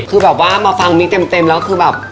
คือแบบว่ามาฟังมิ๊กเต็มแล้วคือแบบ